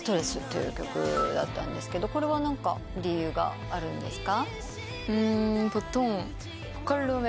これは何か理由があるんですか？